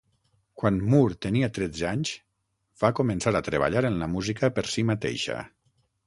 Quan Moore tenia tretze anys, va començar a treballar en la música per si mateixa.